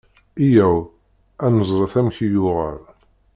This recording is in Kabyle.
Yya-w ad neẓret amek i yuɣal.